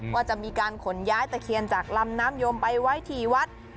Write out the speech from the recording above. ว่าจะมีการขนย้ายตะเคียนจากลำน้ำยมไปไว้ที่วัด